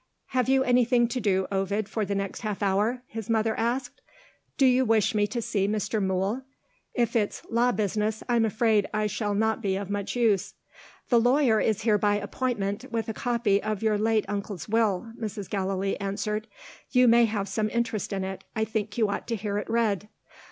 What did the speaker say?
"Have you anything to do, Ovid, for the next half hour?" his mother asked. "Do you wish me to see Mr. Mool? If it's law business, I am afraid I shall not be of much use." "The lawyer is here by appointment, with a copy of your late uncle's Will," Mrs. Gallilee answered. "You may have some interest in it. I think you ought to hear it read."